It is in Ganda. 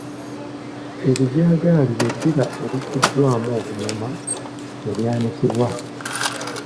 Ebijagali lye ddiba erijjiddwamu obunyama ne lyanikibwa.